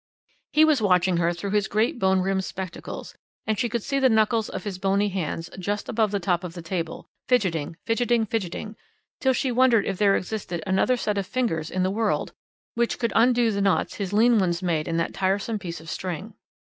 He was watching her through his great bone rimmed spectacles, and she could see the knuckles of his bony hands, just above the top of the table, fidgeting, fidgeting, fidgeting, till she wondered if there existed another set of fingers in the world which could undo the knots his lean ones made in that tiresome piece of string.